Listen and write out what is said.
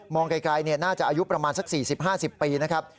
ไกลน่าจะอายุประมาณสัก๔๐๕๐ปีนะครับ